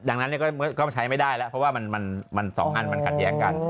ดังนั้นก็ใช้ไม่ได้แล้วเพราะว่ามัน๒อันมันขัดแย้งกัน